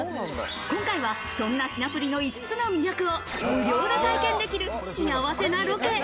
今回は、そんな品プリの５つの魅力を無料で体験できる幸せなロケ。